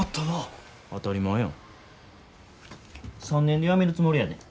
３年で辞めるつもりやで。